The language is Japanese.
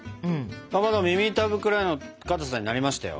かまど耳たぶくらいのかたさになりましたよ。